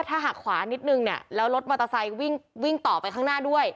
ถ้าหักขวานิดนึงเนี่ยแล้วรถมอเตอร์ไซค์วิ่งวิ่งต่อไปข้างหน้าด้วย